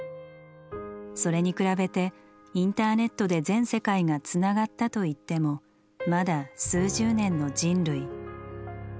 それに比べてインターネットで全世界が「つながった」といってもまだ数十年の人類。